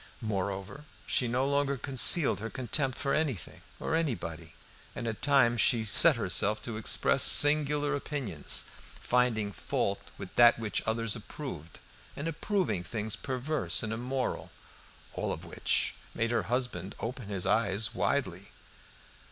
Moreover she no longer concealed her contempt for anything or anybody, and at times she set herself to express singular opinions, finding fault with that which others approved, and approving things perverse and immoral, all of which made her husband open his eyes widely.